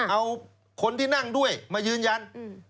เอาคนที่นั่งด้วยมายืนยัน